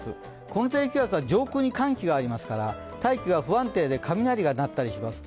この低気圧は上空に寒気がありますから、大気が不安定で雷が鳴ったりします。